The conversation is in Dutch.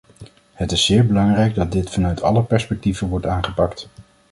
Het is zeer belangrijk dat dit vanuit alle perspectieven wordt aangepakt.